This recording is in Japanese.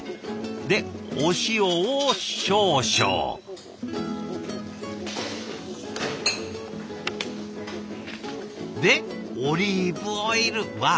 でお塩を少々。でオリーブオイルわあ